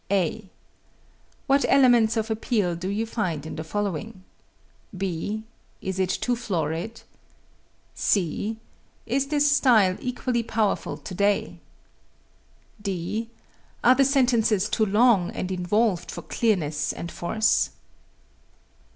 (a) What elements of appeal do you find in the following? (b) Is it too florid? (c) Is this style equally powerful today? (d) Are the sentences too long and involved for clearness and force?